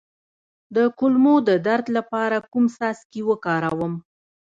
د کولمو د درد لپاره کوم څاڅکي وکاروم؟